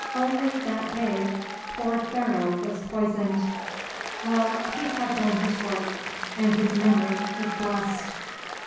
Only that day poor Pharaoh was poisoned. Well, he had done his work, and his memory is blessed.